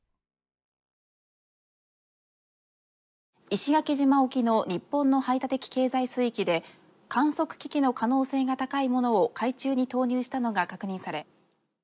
「石垣島沖の日本の排他的経済水域で観測機器の可能性が高いものを海中に投入したのが確認され」。